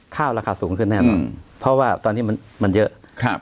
ราคาสูงขึ้นแน่นอนเพราะว่าตอนนี้มันมันเยอะครับ